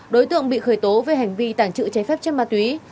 đối tượng bị khởi tố về hành vi tàng trữ trái phép chất ma túy